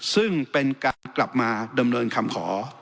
ซึ่งเป็นการกลับมาดำเนินคำขอ